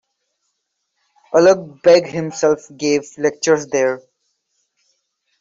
Ulugh Beg himself gave lectures there.